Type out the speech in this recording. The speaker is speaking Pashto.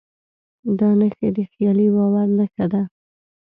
دا نښې د خیالي باور نښه ده.